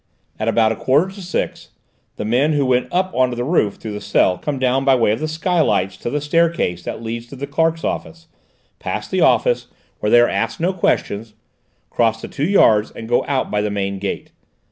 At about a quarter to six, the men who went up on to the roof through the cell, come down by way of the skylights to the staircase that leads to the clerk's office, pass the office, where they are asked no questions, cross the two yards and go out by the main gate.